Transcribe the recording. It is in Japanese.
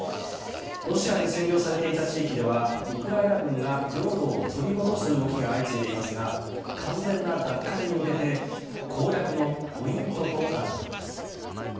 ロシアに占領されていた地域ではウクライナ軍が領土を取り戻す動きが相次いでいますが完全な奪還に向けて攻略のポイントとなるのは。